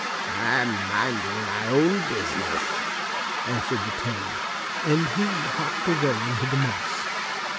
"I am minding my own business," answered the Toad, and he hopped away into the moss.